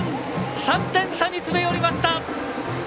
３点差に詰め寄りました。